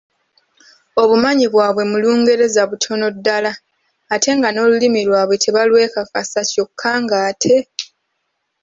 Obumanyi bwabwe mu Lungereza butono ddala ate nga n’Olulimi lwabwe tebalwekakasa kyokka ng’ate